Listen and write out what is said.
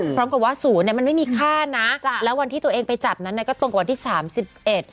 พร้อมกับว่าศูนย์เนี้ยมันไม่มีค่านะจ้ะแล้ววันที่ตัวเองไปจับนั้นเนี่ยก็ตรงกับวันที่สามสิบเอ็ด